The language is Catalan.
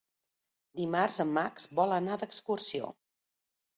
Dimarts en Max vol anar d'excursió.